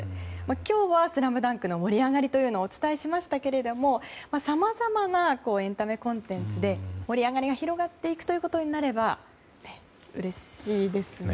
今日は「ＳＬＡＭＤＵＮＫ」の盛り上がりというのをお伝えしましたけれどもさまざまなエンタメコンテンツで盛り上がりが広がっていくことになればうれしいですね。